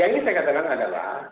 yang ini saya katakan adalah